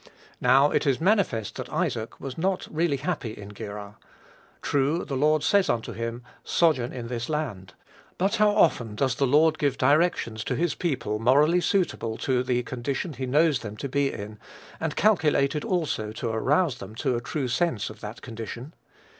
Now, it is manifest that Isaac was not really happy in Gerar. True, the Lord says unto him, "sojourn in this land;" but how often does the Lord give directions to his people morally suitable to the condition he knows them to be in, and calculated also to arouse them to a true sense of that condition?